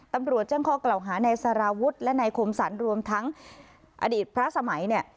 ตำรวจแจ้งข้อกล่าวหาในสารวุฒิและนายคมสรรรวมทั้งอดีตพระสมัยเนี่ย